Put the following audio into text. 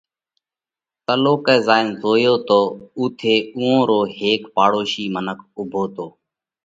تلُوڪئہ زائينَ زويو تو اُوٿئہ اُوئون رو هيڪ پاڙوشي منک اُوڀو تو